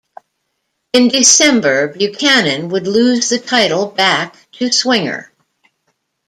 In December, Buchanan would lose the title back to Swinger.